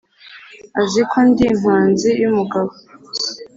Azi ko ndi impanzi y'umugabo.